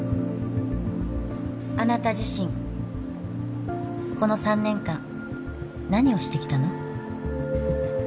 あなた自身この３年間何をしてきたの？